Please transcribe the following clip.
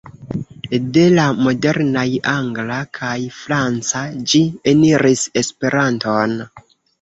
De la modernaj angla kaj franca ĝi eniris Esperanton.